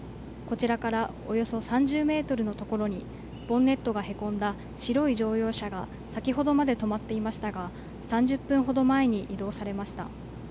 こちらからおよそ３０メートルの所にボンネットがへこんだ白い乗用車が先ほどまで止まっていましたが３０分ほど前に移動されました。